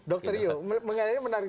dr rio mengenai ini menarik